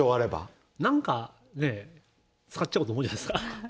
なんかね、使っちゃおうと思うじゃないですか。